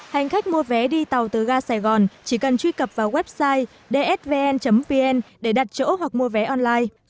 hành khách mua vé đi tàu từ ga sài gòn chỉ cần truy cập vào website dsvn vn pn để đặt chỗ hoặc mua vé online